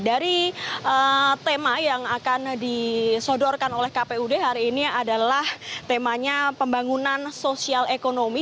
dari tema yang akan disodorkan oleh kpud hari ini adalah temanya pembangunan sosial ekonomi